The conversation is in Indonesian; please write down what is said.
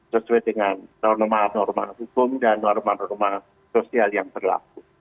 sesuai dengan normal normal hukum dan normal normal sosial yang berlaku